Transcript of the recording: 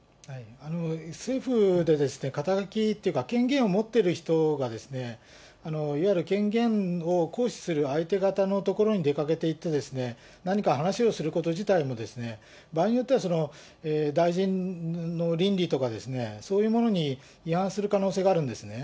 政府で、肩書というか、権限を持ってる人が、いわゆる権限を行使する相手方の所に出かけて行って、何か話をすること自体も、場合によっては大臣の倫理とか、そういうものに違反する可能性があるんですね。